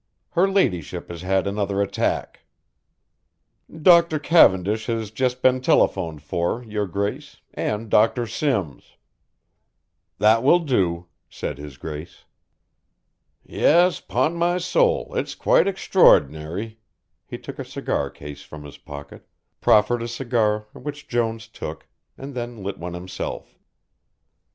Her ladyship has had another attack." "Dr. Cavendish has just been telephoned for, your grace, and Dr. Simms." "That will do," said his grace. "Yes, 'pon my soul, it's quite extraordinary," he took a cigar case from his pocket, proffered a cigar which Jones took, and then lit one himself.